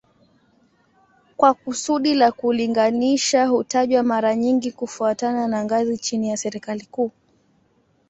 Kwa kusudi la kulinganisha hutajwa mara nyingi kufuatana na ngazi chini ya serikali kuu